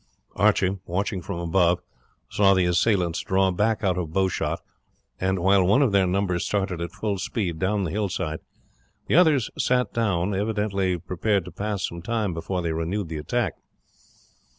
Archie, watching from above, saw the assailants draw back out of bowshot, and while one of their number started at full speed down the hillside, the others sat down, evidently prepared to pass some time before they renewed the attack.